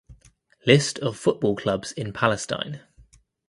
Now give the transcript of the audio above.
List of football clubs in Palestine